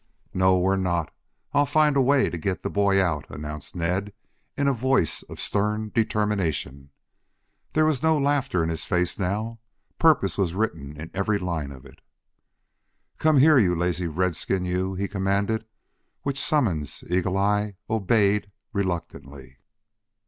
"No, we're not. I'll find a way to get the boy out," announced Ned, in a voice of stern determination. There was no laughter in his face now. Purpose was written in every line of it. "Come here, you lazy redskin, you," he commanded, which summons Eagle eye obeyed reluctantly.